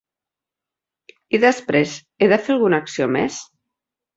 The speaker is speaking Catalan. I després, he de fer alguna acció més?